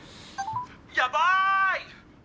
やばい！